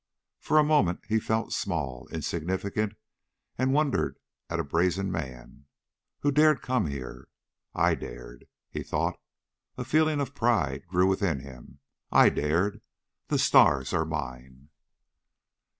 For a moment he felt small, insignificant, and wondered at brazen man. Who dared come here? I dared, he thought. A feeling of pride grew within him. I dared. The stars are mine.